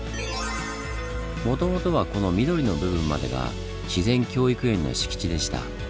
もともとはこの緑の部分までが自然教育園の敷地でした。